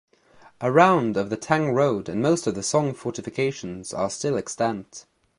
Around of the Tang road and most of the Song fortifications are still extant.